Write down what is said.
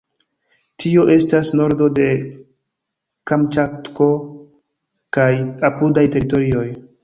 Tio estas nordo de Kamĉatko kaj apudaj teritorioj.